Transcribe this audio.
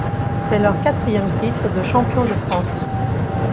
C'est leur quatrième titre de champion de France.